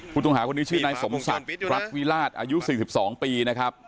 ผู้ต้องหาคนนี้ชื่อนายสมศักดิ์รัฐวิราชอายุ๔๒ปีนะครับ